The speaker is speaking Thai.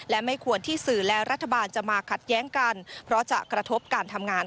และไม่ควรที่สื่อและรัฐบาลจะมาขัดแย้งกันเพราะจะกระทบการทำงาน